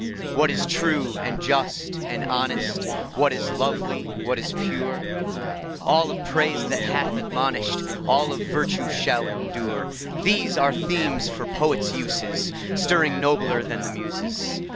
What is true and just and honest, What is lovely, what is pure, — All of praise that hath admonish'd, All of virtue, shall endure, — These are themes for poets' uses, Stirring nobler than the Muses.